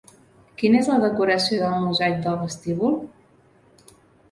Quina és la decoració del mosaic del vestíbul?